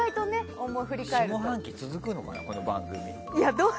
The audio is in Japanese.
下半期も続くのかな、この番組。